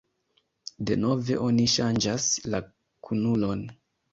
"Denove oni ŝanĝas la kunulon."